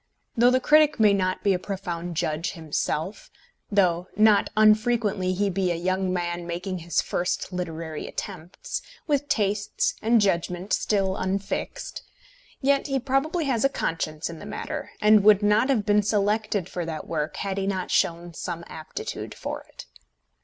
Though the critic may not be a profound judge himself; though not unfrequently he be a young man making his first literary attempts, with tastes and judgment still unfixed, yet he probably has a conscience in the matter, and would not have been selected for that work had he not shown some aptitude for it.